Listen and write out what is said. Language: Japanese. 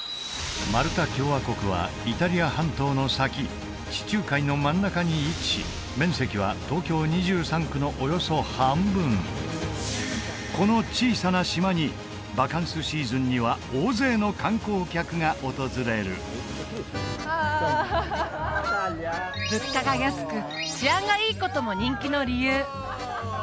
マルタ共和国はイタリア半島の先地中海の真ん中に位置し面積は東京２３区のおよそ半分この小さな島にバカンスシーズンには大勢の観光客が訪れる物価が安く治安がいいことも人気の理由